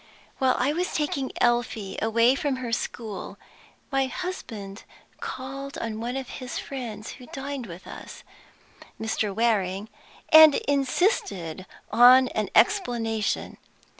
While I was taking Elfie away from her school, my husband called on one of his friends who dined with us (Mr. Waring), and insisted on an explanation.